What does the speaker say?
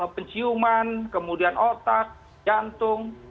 penciuman kemudian otak jantung